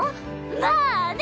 まあね。